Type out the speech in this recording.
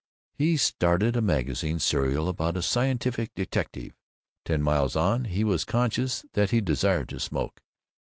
He started a magazine serial about a scientific detective. Ten miles on, he was conscious that he desired to smoke.